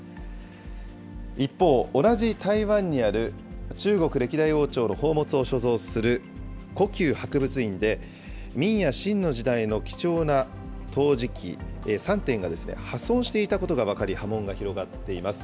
一方、同じ台湾にある、中国歴代王朝の宝物を所蔵する故宮博物院で、明や清の時代の貴重な陶磁器３点が破損していたことが分かり、波紋が広がっています。